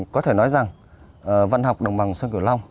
có thể nói rằng văn học đồng bằng sông cửu long